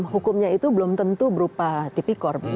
hukumnya itu belum tentu berupa tipikor